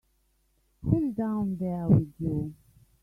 Who's down there with you?